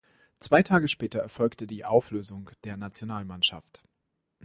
Zwei Tage später erfolgte die Auflösung der Nationalmannschaft.